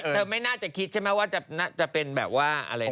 ไม่น่าจะคิดใช่ไหมว่าจะเป็นแบบว่าอะไร